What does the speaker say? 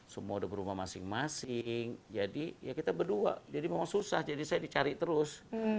semua udah berumah masing masing jadi ya kita berdua jadi memang susah jadi saya dicari terus